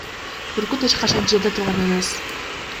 Бүркүт эч качан жерде турган эмес.